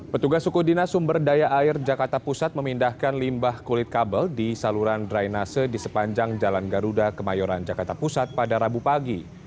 pembuatan potongan kulit kabel ditemukan menyumbat di saluran dry nasa sepanjang jalan garuda kemayoran jakarta pusat pada rabu siang